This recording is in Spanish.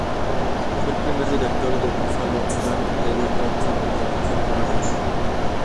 Fue el primer director del Buffalo and Erie County Botanical Gardens.